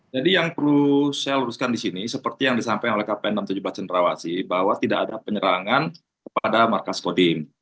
jadi yang perlu saya luruskan di sini seperti yang disampaikan oleh kpn enam ratus tujuh belas cendrawasi bahwa tidak ada penyerangan kepada markas kodim